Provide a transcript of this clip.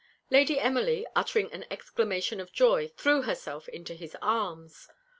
Lady Emily, uttering an exclamation of joy, threw herself into his arms.